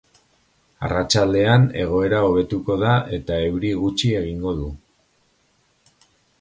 Arratsaldean egoera hobetuko da eta euri gutxi egingo du.